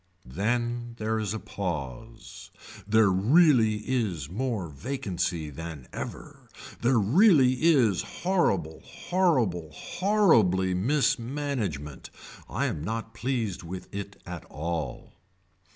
Then there is a pause. There really is more vacancy than ever. There really is horrible horrible horribly mismanagement. I am not pleased with it at all.